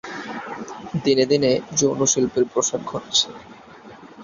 দিনে দিনে যৌন শিল্পের প্রসার ঘটছে।